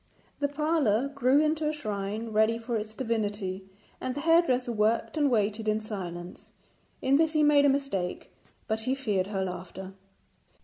The parlour grew into a shrine ready for its divinity, and the hairdresser worked and waited in silence. In this he made a mistake, but he feared her laughter.